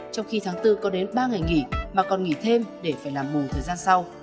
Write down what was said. trong khi tháng bốn có đến ba ngày nghỉ mà còn nghỉ thêm để phải làm mù thời gian sau